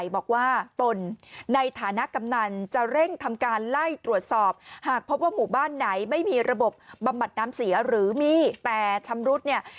บำบัดน้ำเสียหรือมีแต่ชำรุศเนี่ย